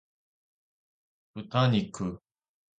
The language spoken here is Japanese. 豚肉